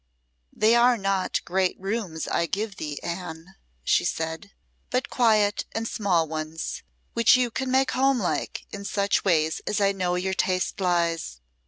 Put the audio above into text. "They are not great rooms I give thee, Anne," she said, "but quiet and small ones, which you can make home like in such ways as I know your taste lies.